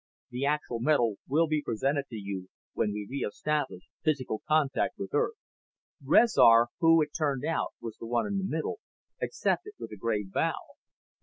The actual medal will be presented to you when we re establish physical contact with Earth." Rezar, who, it turned out, was the one in the middle, accepted with a grave bow.